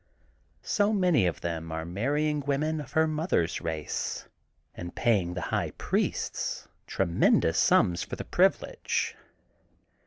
So many of them are marrying women of her mother^s race, and paying the high priests tremendous sums for the privilege.